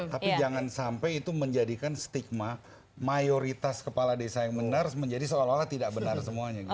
tapi jangan sampai itu menjadikan stigma mayoritas kepala desa yang benar menjadi seolah olah tidak benar semuanya gitu